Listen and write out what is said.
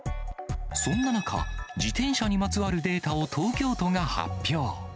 そんな中、自転車にまつわるデータを東京都が発表。